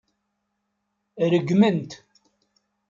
Regmen-t.